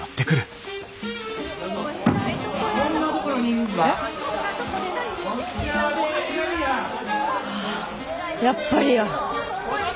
・うわやっぱりや。